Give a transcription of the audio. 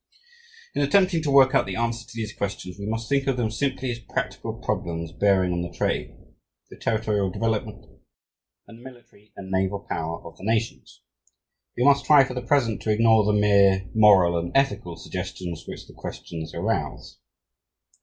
In attempting to work out the answer to these questions, we must think of them simply as practical problems bearing on the trade, the territorial development, and the military and naval power of the nations. We must try for the present to ignore the mere moral and ethical suggestions which the questions arouse.